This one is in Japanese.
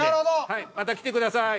はいまた来てください。